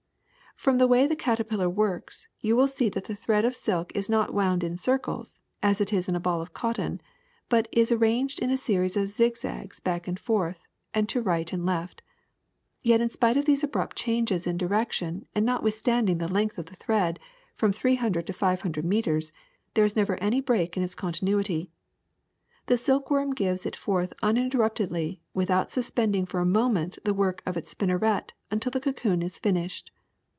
^^From the way the caterpillar works you will see that the thread of silk is not wound in circles, as it is in a ball of cotton, but is arranged in a series of zigzags, back and forth, and to right and left. Yet in spite of these abrupt changes in direction and notwithstanding the length of the thread — from three hundred to five hundred meters — there is never any break in its continuity. The silkworm gives it forth uninterruptedly w^ithout suspending for a moment the work of its spinneret until the cocoon is finished.